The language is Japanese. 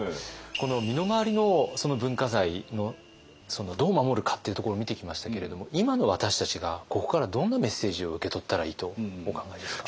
この身の回りの文化財のそのどう守るかっていうところを見てきましたけれども今の私たちがここからどんなメッセージを受け取ったらいいとお考えですか？